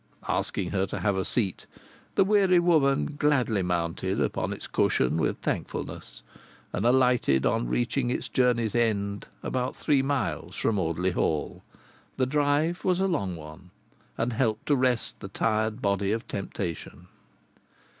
Asking her to have a seat, the weary woman gladly mounted upon its cushion with thankfulness, and alighted on reaching its journey's end, about three miles from Audley Hall. The drive was a long one, and helped to rest the tired body of temptation.